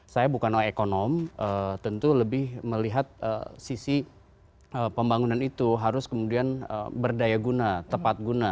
saya bukan oleh ekonom tentu lebih melihat sisi pembangunan itu harus kemudian berdaya guna tepat guna